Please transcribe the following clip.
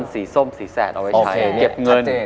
สีส้มสีแสดเอาไว้ใช้